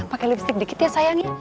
pakai lipstick dikit ya sayang ya